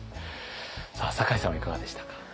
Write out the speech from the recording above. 酒井さんはいかがでしたか。